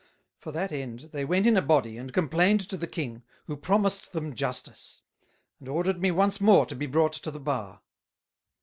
For that end, they went in a Body, and complained to the King, who promised them Justice; and order'd me once more to be brought to the Bar.